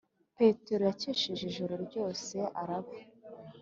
petero yakesheje ijoro ryose araba